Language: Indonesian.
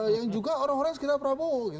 yang juga orang orang sekitar prabowo